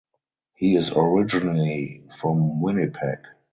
He is originally from Winnipeg.